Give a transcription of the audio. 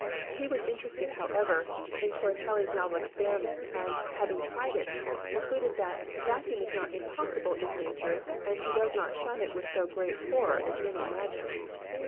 He was interested, however, in Torri celli's novel experiment and, having tried it, concluded that "the vacuum is not impossible in Nature and she does not shun it with so great horror as many imagine."